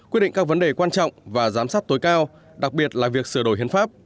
quyết định các vấn đề quan trọng và giám sát tối cao đặc biệt là việc sửa đổi hiến pháp